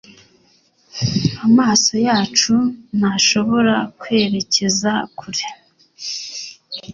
amaso yacu ntashobora kwerekeza kure